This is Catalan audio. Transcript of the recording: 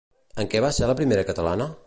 En què va ser la primera catalana?